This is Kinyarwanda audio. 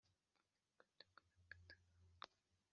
dore irasaba uwo yimye